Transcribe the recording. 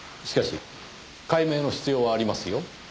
しかし解明の必要はありますよ。